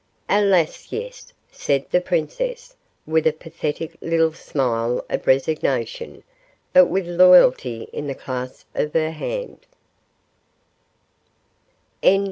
"Alas, yes!" said the princess, with a pathetic little smile of resignation, but with loyalty in the clasp of her hand.